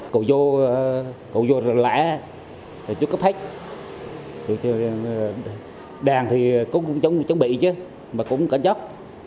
cậu vô lẻ thì chú cấp thách đàn thì cũng chuẩn bị chứ mà cũng cẩn chất